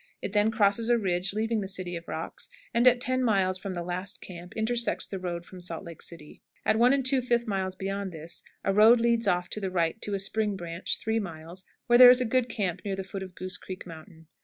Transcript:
It then crosses a ridge, leaving the City of Rocks, and at ten miles from last camp intersects the road from "Salt Lake City." At 1 2/5 miles beyond this a road leads off to the right to a spring branch, 3 miles, where there is a good camp near the foot of Goose Creek Mountain.